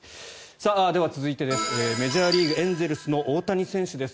では、続いてメジャーリーグ、エンゼルスの大谷選手です。